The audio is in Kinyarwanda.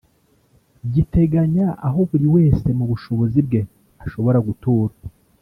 giteganya aho buri wese mu bushobozi bwe ashobora gutura